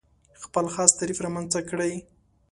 خپل خاص تعریف رامنځته کړي.